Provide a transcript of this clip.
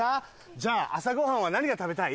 じゃあ朝ごはんは何が食べたい？